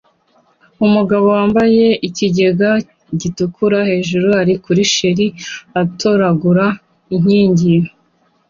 Umugabo wambaye ikigega gitukura hejuru ari kuri cheri utoragura inkingi